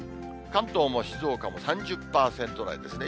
関東も静岡も３０％台ですね。